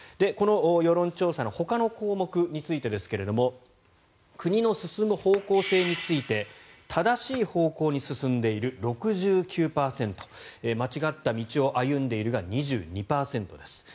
この世論調査のほかの項目についてですが国の進む方向性について正しい方向に進んでいる、６９％間違った道を歩んでいるが２２％です。